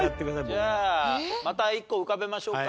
じゃあまた１個浮かべましょうか。